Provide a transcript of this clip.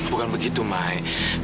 bukan begitu mai